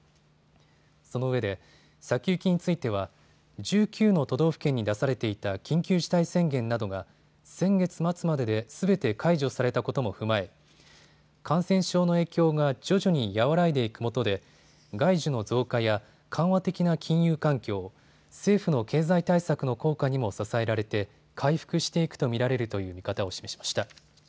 そのうえで先行きについては１９の都道府県に出されていた緊急事態宣言などが先月末までですべて解除されたことも踏まえ感染症の影響が徐々に和らいでいくもとで外需の増加や緩和的な金融環境、政府の経済対策の効果にも支えられて回復していくと見られるという見方を示しました。